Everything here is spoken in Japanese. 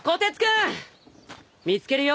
見つけるよ。